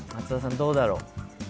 どうだろ？